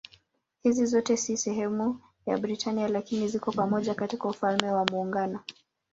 Hizi zote si sehemu ya Britania lakini ziko pamoja katika Ufalme wa Muungano.